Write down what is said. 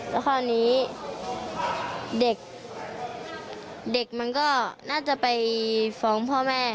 แล้วคราวนี้เด็กมันก็น่าจะไปฟ้องพ่อแม่